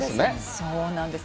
そうなんです。